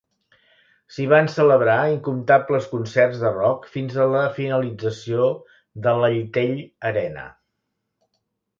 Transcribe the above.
S'hi van celebrar incomptables concerts de rock fins a la finalització de l'Alltel Arena.